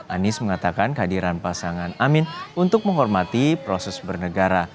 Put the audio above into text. anies mengatakan kehadiran pasangan amin untuk menghormati proses bernegara